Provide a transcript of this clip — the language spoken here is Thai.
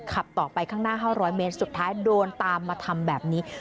ขับต่อไปข้างหน้า๕๐๐เมตรสุดท้ายโดนตามมาทำแบบนี้